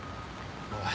おい